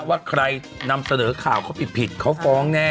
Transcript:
ว่าใครนำเสนอข่าวเขาผิดเขาฟ้องแน่